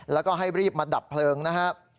แล้วก็ให้รีบมาดับเพลิงนะครับ